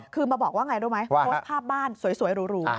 คือมาบอกว่าไงรู้ไหมโพสต์ภาพบ้านสวยหรู